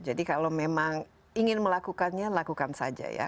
jadi kalau memang ingin melakukannya lakukan saja ya